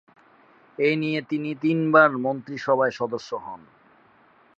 এ নিয়ে তিনি তিনবার মন্ত্রিসভার সদস্য হন।